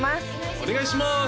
お願いします